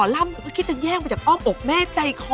ล่ำก็คิดจะแย่งมาจากอ้อมอกแม่ใจคอ